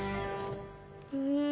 うん！